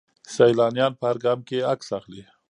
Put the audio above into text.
سیلانیان په هر ګام کې عکس اخلي.